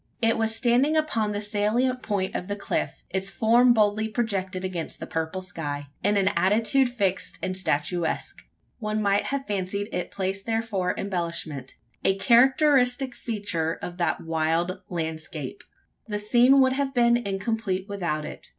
It was standing upon a salient point of the cliff its form boldly projected against the purple sky, in an attitude fixed and statuesque. One might have fancied it placed there for embellishment a characteristic feature of that wild landscape. The scene would have been incomplete without it.